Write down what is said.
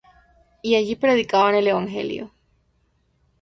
Y allí predicaban el evangelio.